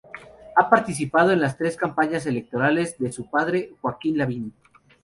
Ha participado en las tres campañas electorales de su padre, Joaquín Lavín.